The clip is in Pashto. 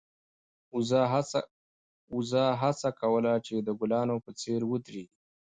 وزه هڅه کوله چې د ګلانو په څېر ودرېږي.